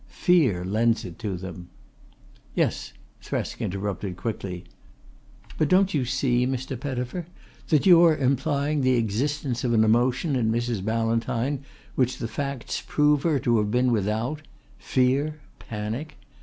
Fear lends it to them." "Yes," Thresk interrupted quickly, "but don't you see, Mr. Pettifer, that you are implying the existence of an emotion in Mrs. Ballantyne which the facts prove her to have been without fear, panic?